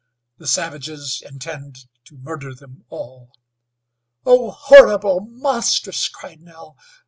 The savages intend to murder them all." "Oh! Horrible! Monstrous!" cried Nell.